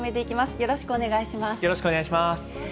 よろしくお願いします。